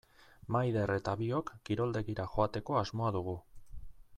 Maider eta biok kiroldegira joateko asmoa dugu.